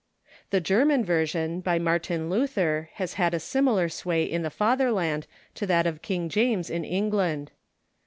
The German version by Martin Luther lias had a similar sAvay in the Fatherland to that of King James in Eng land.